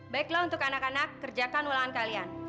baiklah untuk anak anak kerjakan ulangan kalian